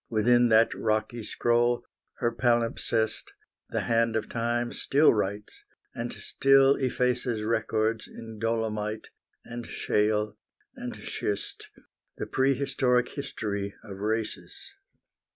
Within that rocky scroll, her palimpsest, The hand of time still writes, and still effaces Records in dolomite and shale and schist, The pre historic history of Races.